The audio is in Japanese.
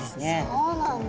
そうなんだ。